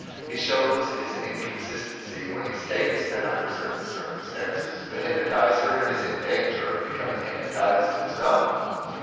He shows his inconsistency when he states that under certain circumstances the hypnotizer is in danger of becoming hypnotized himself.